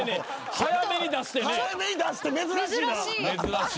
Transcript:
早めに出すって珍しいな。